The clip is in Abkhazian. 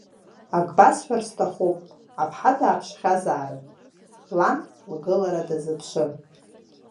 Ак басҳәар сҭахуп, аԥҳа дааԥшхьазаарын, лан лгылара дазыԥшын.